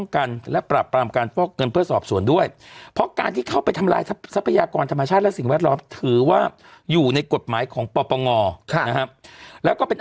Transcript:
เขาเป็นวิธีวิทยาวะหมดไงน้อย